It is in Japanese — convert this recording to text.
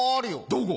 どこ？